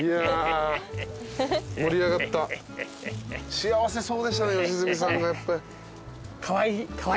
幸せそうでしたね良純さんが。